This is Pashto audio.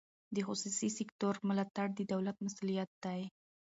د خصوصي سکتور ملاتړ د دولت مسوولیت دی.